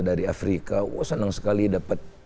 dari afrika wah senang sekali dapat